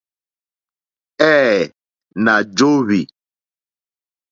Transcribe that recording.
Ɛ̄ɛ̄, nà jóhwì.